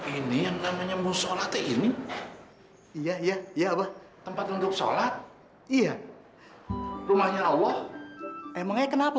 ini yang namanya musolate ini iya ya ya tempat untuk sholat iya rumahnya allah emangnya kenapa